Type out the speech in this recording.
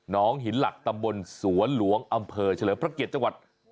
หินหลักตำบลสวนหลวงอำเภอเฉลิมพระเกียรติจังหวัด